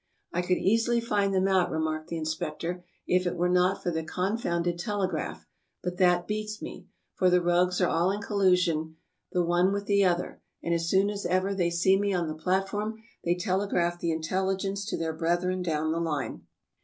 " I could easily find them out," remarked the inspector, "if it were not for the confounded telegraph, but that beats me; for the rogues are all in collusion the one with the other, and as soon as ever they see me on the platform they telegraph the intelligence to their brethren down the line."